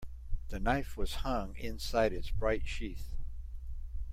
The knife was hung inside its bright sheath.